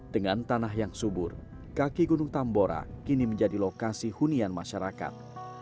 dengan tanah yang subur kaki gunung tambora kini menjadi lokasi hunian masyarakat